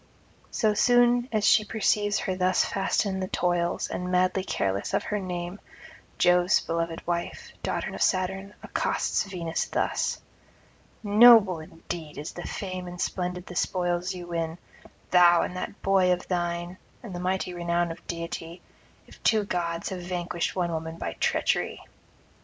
So soon as she perceives her thus fast in the toils, and [91 124]madly careless of her name, Jove's beloved wife, daughter of Saturn, accosts Venus thus: 'Noble indeed is the fame and splendid the spoils you win, thou and that boy of thine, and mighty the renown of deity, if two gods have vanquished one woman by treachery.